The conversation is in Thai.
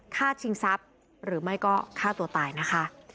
ชิงทรัพย์หรือไม่ก็ฆ่าตัวตายนะคะ